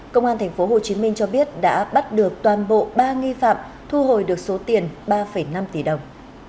công an tp hcm cho biết đã bắt được toàn bộ ba nghi phạm thu hồi được số tiền ba năm tỷ đồng